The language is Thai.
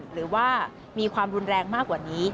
หรือว่ามีความรุนแรงมากกว่านี้